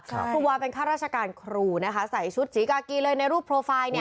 ครูวาเป็นข้าราชการครูนะคะใส่ชุดสีกากีเลยในรูปโปรไฟล์